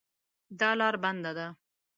دا لار بنده ده